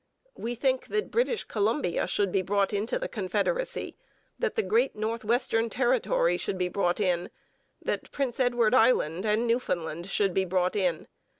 We think that British Columbia should be brought into the confederacy, that the great north western territory should be brought in, that Prince Edward Island and Newfoundland should be brought in.